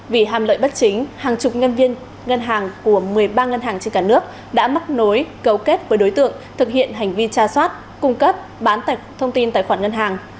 vì hàm lợi bất chính hàng chục nhân viên ngân hàng của một mươi ba ngân hàng trên cả nước đã mắc nối cấu kết với đối tượng thực hiện hành vi tra soát cung cấp bán tại thông tin tài khoản ngân hàng